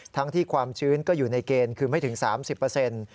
ทั้งที่ความชื้นก็อยู่ในเกณฑ์คือไม่ถึง๓๐เปอร์เซ็นต์